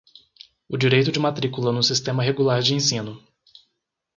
o direito de matrícula no sistema regular de ensino.